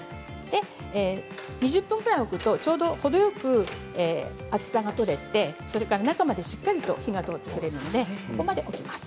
２０分ぐらい置くとちょうど程よく熱さが取れてそれから中までしっかり火が通ってくれるのでそこまで置きます。